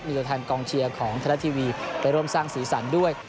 มีตัวแทนกองเชียร์ของทะลัดทีวีไปร่วมสร้างศรีสรรค์ด้วย